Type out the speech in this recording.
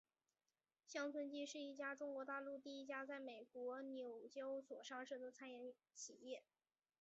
乡村基是一家中国大陆第一家在美国纽交所上市的餐饮企业。